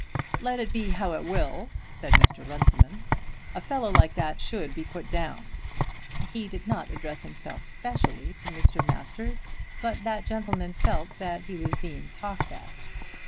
"Let it be how it will," said Mr. Runciman, "a fellow like that should be put down." He did not address himself specially to Mr. Masters, but that gentleman felt that he was being talked at.